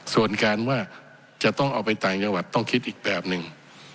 ส่วนการว่าจะต้องเอาไปต่างจังหวัดต้องคิดอีกแบบหนึ่ง